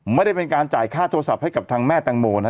ไม่ได้เป็นการจ่ายค่าโทรศัพท์ให้กับทางแม่แตงโมนะ